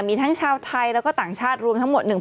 มีทั้งชาวไทยแล้วก็ต่างชาติรวมทั้งหมด